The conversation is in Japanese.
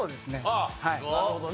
あっなるほどね。